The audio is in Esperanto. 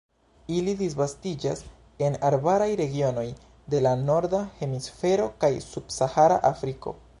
Ili disvastiĝas en arbaraj regionoj de la Norda Hemisfero kaj subsahara Afriko.